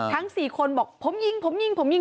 ทั้ง๔คนบอกผมยิงผมยิงผมยิง